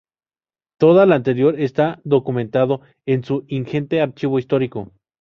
Todo lo anterior está documentado en su ingente archivo histórico.